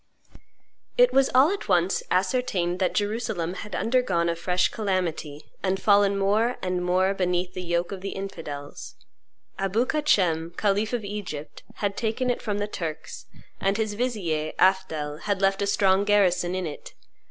It was all at once ascertained that Jerusalem had undergone a fresh calamity, and fallen more and more beneath the yoke of the infidels. Abou Kacem, khalif of Egypt, had taken it from the Turks; and his vizier, Afdhel, had left a strong garrison in it.